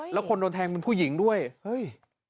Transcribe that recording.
แล้วคนโดนแทงเป็นผู้หญิงด้วยเฮ้ย